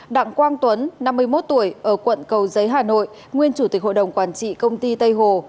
đặng quang tuấn năm mươi một tuổi ở quận cầu giấy hà nội nguyên chủ tịch hội đồng quản trị công ty tây hồ